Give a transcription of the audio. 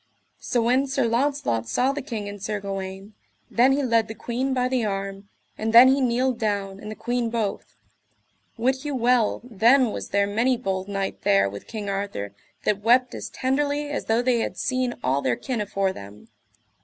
So when Sir Launcelot saw the king and Sir Gawaine, then he led the queen by the arm, and then he kneeled down, and the queen both. Wit you well then was there many bold knight there with King Arthur that wept as tenderly as though they had seen all their kin afore them.